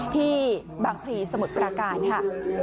ที่บางภีร์สมุดประกาศค่ะ